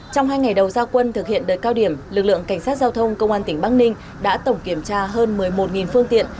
trong hai ngày đầu gia quân thực hiện đợt cao điểm lực lượng cảnh sát giao thông công an tỉnh bắc ninh đã tổng kiểm tra hơn một mươi một phương tiện